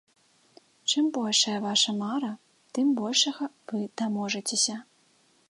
Чым большая ваша мара, тым большага вы даможацеся.